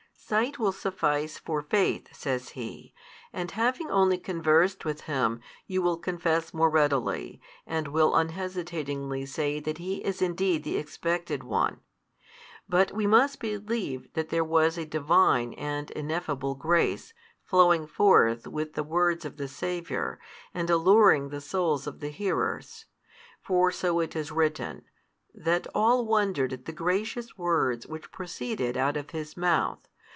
Sight will suffice for faith, says he, and having only |153 conversed with. Him you will confess more readily, and will unhesitatingly say that He is indeed the Expected One. But we must believe that there was a Divine and Ineffable grace, flowing forth with the words of the Saviour, and alluring the souls of the hearers. For so it is written, that all wondered at the gracious words which proceeded out of His Mouth.